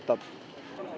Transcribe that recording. lớp chín ạ